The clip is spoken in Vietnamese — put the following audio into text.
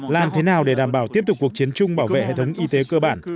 làm thế nào để đảm bảo tiếp tục cuộc chiến chung bảo vệ hệ thống y tế cơ bản